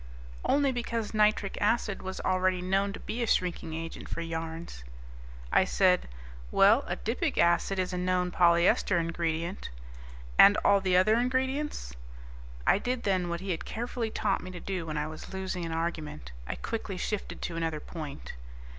"Only because nitric acid was already known to be a shrinking agent for yarns." I said, "Well, adipic acid is a known polyester ingredient." "And all the other ingredients?" I did then what he had carefully taught me to do when I was losing an argument: I quickly shifted to another point.